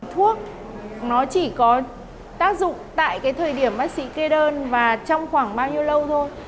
thuốc nó chỉ có tác dụng tại cái thời điểm bác sĩ kê đơn và trong khoảng bao nhiêu lâu thôi